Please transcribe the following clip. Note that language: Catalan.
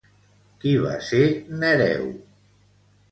Qui va ser Nereu?